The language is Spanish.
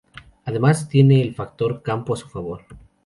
Además, tiene el factor campo a su favor.